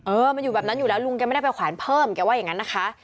เออมันอยู่แบบนั้นอยู่แล้วลุงแกไม่ได้ไปแขวนเพิ่มแกว่าอย่างนั้นนะคะ